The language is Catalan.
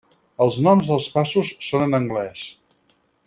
Els noms dels passos són en anglès.